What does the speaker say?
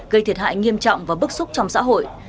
gây thiệt hại nghiêm trọng và bức xúc trong xã hội